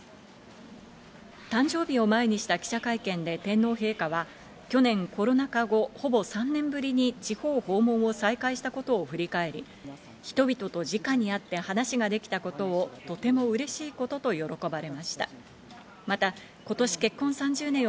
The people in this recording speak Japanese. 誕生日を前にした記者会見で天皇陛下は去年、コロナ禍後、ほぼ３年ぶりに地方訪問を再開したことを振り返り、人々と直に会って話ができたことをとてもうれしいことと、喜ばれました。